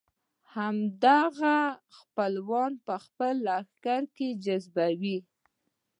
همدغه خپلوان په خپل لښکر کې جذبوي.